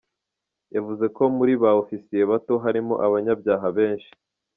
Yavuze ko muri ba ofisiye bato harimo abanyabyaha benshi.